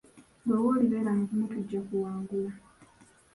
Ggwe w'oli beera mugumu, tujja kuwangula.